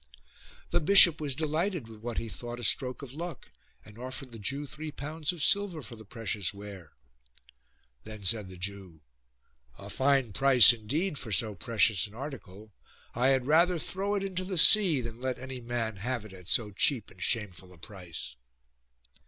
The bishop was delighted with what he thought a stroke of luck, and offered the Jew three pounds of silver for the precious ware. Then said the Jew, A fine price indeed for so precious an article ! I had rather throw it into the sea than let any man have it at so cheap and shameful a price."